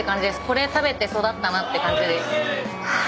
これ食べて育ったなって感じです。